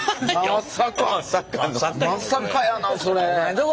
まさかまさかやなそれ。